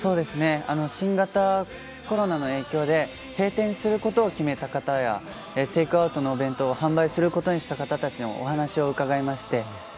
新型コロナの影響で、閉店することを決めた方や、テイクアウトのお弁当を販売することにした方たちにお話を伺いまして。